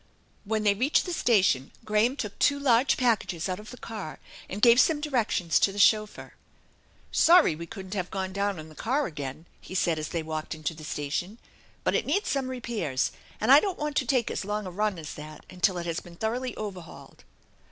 When they reached the station Graham took two large packages out of the car, and gave some directions to the chauffeur. *98 THE ENCHANTED BARN " Sorry we couldn't have gone down in the car again/' he said as they walked into the station, " but it needs some re pairs and I don't want to take as long a run as that until it has been thoroughly overhauled."